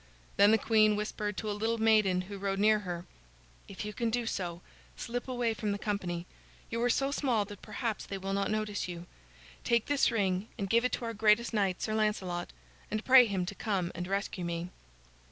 Then the queen whispered to a little maiden who rode near her: "If you can do so, slip away from the company. You are so small that perhaps they will not notice you. Take this ring and give it to our greatest knight, Sir Lancelot, and pray him to come and rescue me."